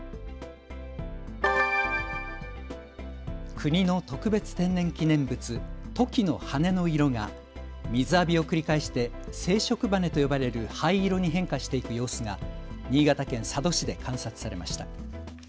国の特別天然記念物、トキの羽の色が水浴びを繰り返して生殖羽と呼ばれる灰色に変化していく様子が新潟県佐渡市で観察されました。